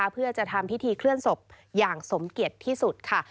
เพื่อจะทำพิธีเคลื่อนศพอย่างสมเกียจที่สุดค่ะ